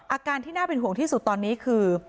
อาการที่น่าเป็นห่วงที่สุดตอนนี้คือ